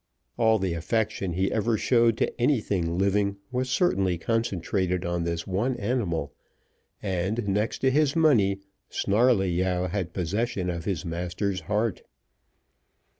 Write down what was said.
All the affection he ever showed to anything living was certainly concentrated on this one animal, and, next to his money, Snarleyyow had possession of his master's heart.